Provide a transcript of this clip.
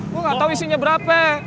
gua gak tau isinya berapa